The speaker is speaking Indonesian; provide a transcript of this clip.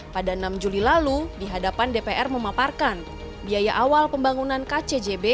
pada enam juli lalu di hadapan dpr memaparkan biaya awal pembangunan kcjb